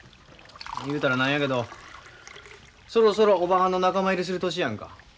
言うたら何やけどそろそろおばはんの仲間入りする年やんか。